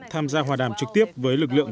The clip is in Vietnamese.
tham gia hòa đàm trực tiếp với lực lượng